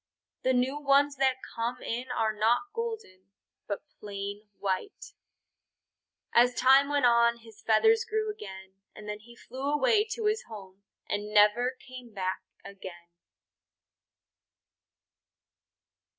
The new ones that come in are not golden, but plain white. As time went on his feathers grew again, and then he flew away to his home and never came back again.